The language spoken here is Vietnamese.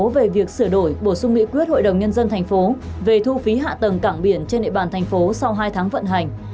về việc sửa đổi bổ sung nghị quyết hội đồng nhân dân thành phố về thu phí hạ tầng cảng biển trên địa bàn thành phố sau hai tháng vận hành